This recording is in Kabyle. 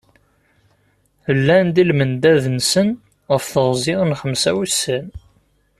Llan-d i lmendad-nsen ɣef teɣzi n xemsa wussan.